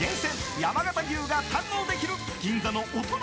山形牛が堪能できる銀座のオトナ